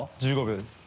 １５秒です。